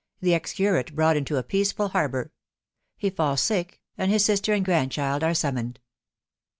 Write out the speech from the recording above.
—THE EX CURATS BROUGHT INTO A PEACEFUL HARBOUR. — HE FALLS SICE, AND HIS SISTER AND GRANDCHILD ARE SUMMONED.